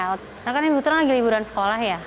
karena kan ini butuhnya lagi liburan sekolah ya